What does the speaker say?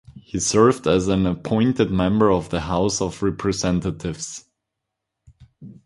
He served as an appointed member of the House of Representatives.